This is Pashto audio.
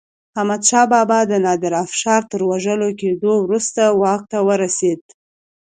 احمدشاه بابا د نادر افشار تر وژل کېدو وروسته واک ته ورسيد.